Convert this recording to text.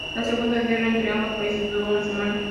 La segunda guerra entre ambos países duró una semana.